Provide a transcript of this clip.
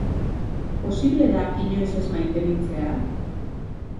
Posible da inoiz ez maitemintzea?